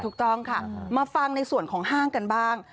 ถูกต้องค่ะมาฟังในส่วนของห้างกันบ้าง